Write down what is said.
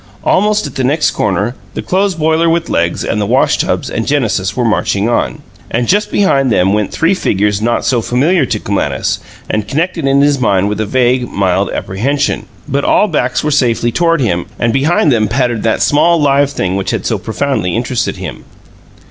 Almost at the next corner the clothes boiler with legs, and the wash tubs, and Genesis were marching on; and just behind them went three figures not so familiar to Clematis, and connected in his mind with a vague, mild apprehension. But all backs were safely toward him, and behind them pattered that small live thing which had so profoundly interested him.